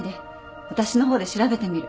私の方で調べてみる。